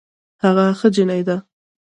هغه ښه جينۍ ده